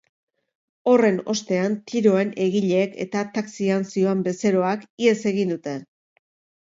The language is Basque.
Horren ostean, tiroen egileek eta taxian zihoan bezeroak ihes egin dute.